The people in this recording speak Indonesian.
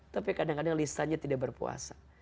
tapi kadang kadang lisannya tidak berpuasa